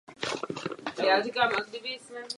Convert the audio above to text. A považuji tuto zprávu za nevyváženou.